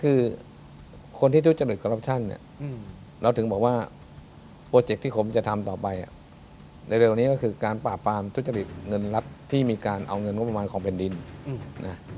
คือคนที่ทุจริตคอรัปชั่นเนี่ยเราถึงบอกว่าโปรเจคที่ผมจะทำต่อไปในเร็วนี้ก็คือการปราบปรามทุจริตเงินรัฐที่มีการเอาเงินงบประมาณของแผ่นดินนะ